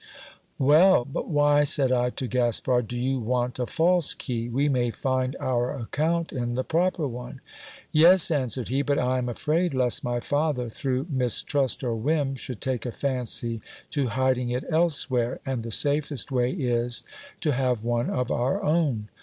Well ! but why, said I to Gaspard, do you want a false key ? We may find our account in the proper one. Yes, answered he ; but I am afraid lest my father, through mistrust or whim, should take a fancy to hiding it elsewhere ; and the safest way is, to have one of our own.